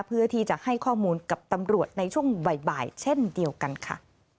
เพื่อที่จะให้ข้อมูลกับตำรวจในช่วงบ่ายเช่นเดียวกันค่ะ